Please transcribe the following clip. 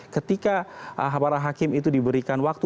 ketika para hakim itu diberikan waktu